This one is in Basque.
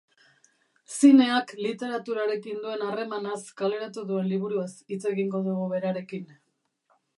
Zineak literaturarekin duen harremanaz kaleratu duen liburuaz hitz egingo dugu berarekin.